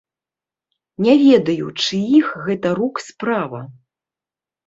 Не ведаю чыіх гэта рук справа.